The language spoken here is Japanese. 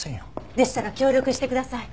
でしたら協力してください。